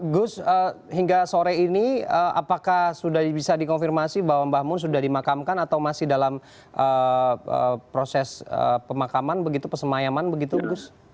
gus hingga sore ini apakah sudah bisa dikonfirmasi bahwa mbah mun sudah dimakamkan atau masih dalam proses pemakaman begitu pesemayaman begitu gus